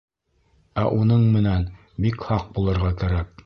Ә уның менән бик һаҡ булырға кәрәк.